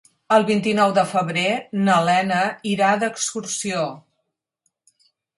El vint-i-nou de febrer na Lena irà d'excursió.